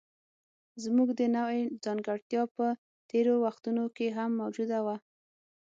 زموږ د نوعې ځانګړتیا په تېرو وختونو کې هم موجوده وه.